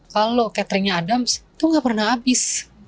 kalau cateringnya adams itu nggak pernah habis